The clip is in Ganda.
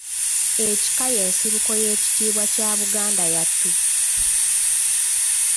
Ekika y’ensibuko y’ekitiibwa kya Buganda yattu.